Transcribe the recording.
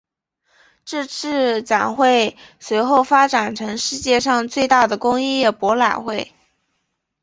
这次展会随后发展成世界上最大的工业博览会。